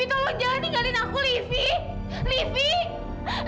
kok mohammad kaya kayak otak itu mau kabur miej topic